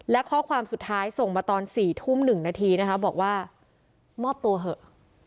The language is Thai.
และข้อความสุดท้ายส่งมาตอน๔ทุ่ม๑นาทีนะคะบอกว่ามอบตัวเถอะ